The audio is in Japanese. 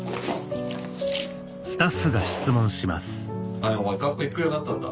何お前学校行くようになったんだ。